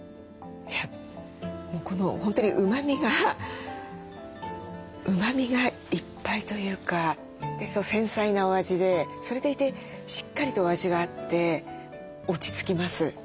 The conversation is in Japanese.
この本当にうまみがうまみがいっぱいというか繊細なお味でそれでいてしっかりとお味があって落ち着きます。